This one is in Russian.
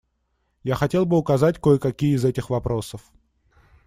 Я хотел бы указать кое-какие из этих вопросов.